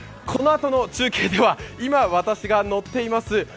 このあとの中継では今、私が乗っています